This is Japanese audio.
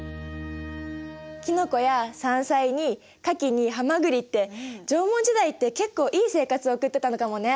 キノコや山菜にカキにハマグリって縄文時代って結構いい生活を送ってたのかもね。